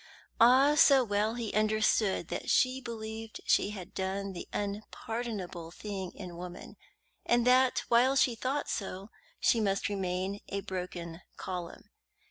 Ah, so well he understood that she believed she had done the unpardonable thing in woman, and that while she thought so she must remain a broken column.